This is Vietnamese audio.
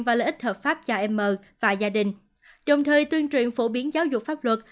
và lợi ích hợp pháp cho em và gia đình đồng thời tuyên truyền phổ biến giáo dục pháp luật